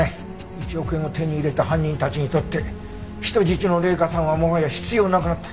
１億円を手に入れた犯人たちにとって人質の麗華さんはもはや必要なくなった。